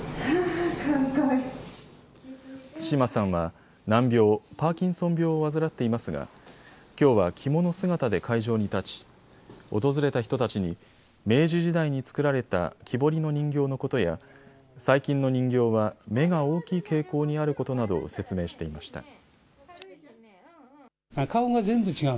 對馬さんは難病、パーキンソン病を患っていますがきょうは着物姿で会場に立ち訪れた人たちに明治時代に作られた木彫りの人形のことや最近の人形は目が大きい傾向にあることなどを説明していました。